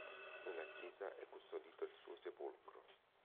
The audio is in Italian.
Nella chiesa è custodito il suo sepolcro.